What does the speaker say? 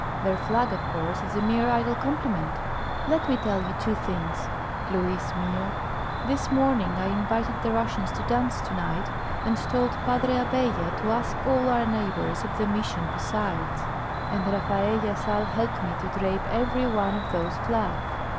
Their flag, of course, is a mere idle compliment. Let me tell you two things, Luis mio: this morning I invited the Russians to dance to night, and told Padre Abella to ask all our neighbors of the Mission besides; and Rafaella Sal helped me to drape every one of those flags.